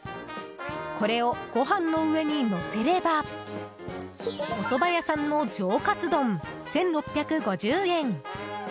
これをご飯の上にのせればおそば屋さんの上カツ丼１６５０円。